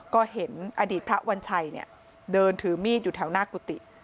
ก็เห็นอดีตพระวัญชัยเนี่ยเดินถือมีดอยู่แถวหน้ากุฏิ